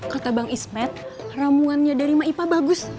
kata bang ismet ramungannya dari maipa bagus